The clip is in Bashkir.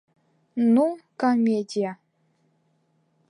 Ну, комедия!